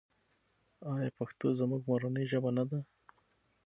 آیا پښتو زموږ مورنۍ ژبه نه ده؟